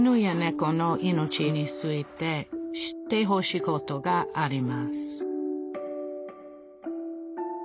この命について知ってほしいことがあります